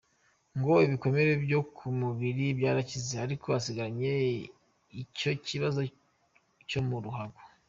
Ngo ibikomere byo ku mubiri byarakize, ariko asigaranye icyo kibazo cyo mu ruhago.